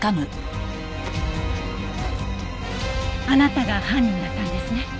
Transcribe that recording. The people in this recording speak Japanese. あなたが犯人だったんですね。